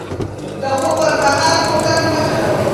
د خوب پر مهال موټر مه چلوئ.